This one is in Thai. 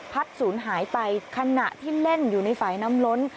ศูนย์หายไปขณะที่เล่นอยู่ในฝ่ายน้ำล้น